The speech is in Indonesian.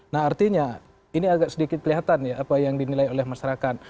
nah artinya ini agak sedikit kelihatan ya apa yang dinilai oleh masyarakat